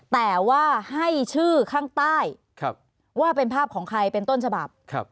แต่ว่าให้ชื่อข้างใต้ว่าเป็นภาพของใครเป็นต้นฉบับ